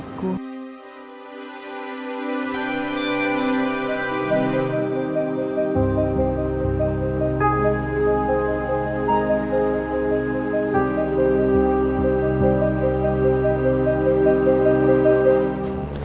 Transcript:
kamu gak akan sampai di hatiku